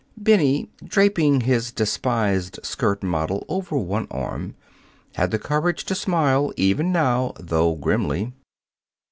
Bennie, draping his despised skirt model over one arm, had the courage to smile even now, though grimly.